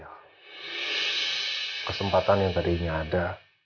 ya kesempatan yang tadinya ada